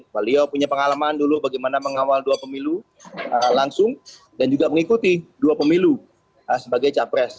beliau punya pengalaman dulu bagaimana mengawal dua pemilu langsung dan juga mengikuti dua pemilu sebagai capres